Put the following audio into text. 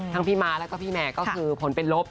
ทั้งพี่มาและพี่แม่ก็คือผลเป็นลบ